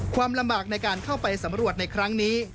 ความลำบากในการเข้าไปสำรวจในครั้งนี้